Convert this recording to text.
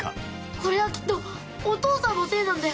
これはきっとお父さんのせいなんだよ。